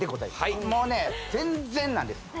はいもうね全然なんです何？